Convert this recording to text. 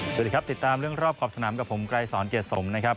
สวัสดีครับติดตามเรื่องรอบขอบสนามกับผมไกรสอนเกียรติสมนะครับ